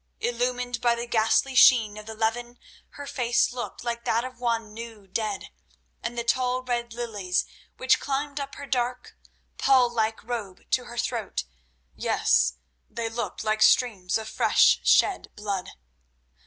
Illumined by the ghastly sheen of the levin her face looked like that of one new dead, and the tall red lilies which climbed up her dark, pall like robe to her throat—yes, they looked like streams of fresh shed blood.